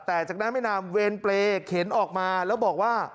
แต่จากนั้นไม่นานเวรเปรย์เข็นออกมาแล้วบอกว่า